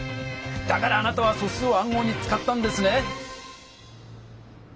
だからあなたは素数を暗号に使ったんですね！